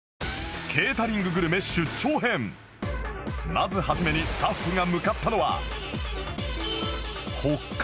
まず初めにスタッフが向かったのは